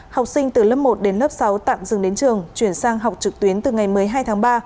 học sinh từ lớp một đến lớp sáu tạm dừng đến trường chuyển sang học trực tuyến từ ngày một mươi hai tháng ba